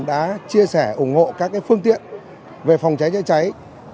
đã chia sẻ ủng hộ các phương tiện về phòng cháy chữa cháy